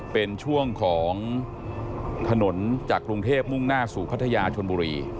เป็นช่วงของถนนจากกรุงเทพมุ่งหน้าสู่พัทยาชนบุรี